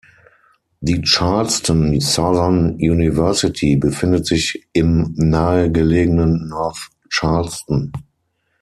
Die Charleston Southern University befindet sich im nahe gelegenen North Charleston.